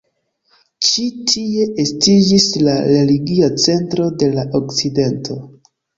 Ĉi tie estiĝis la religia centro de la okcidento.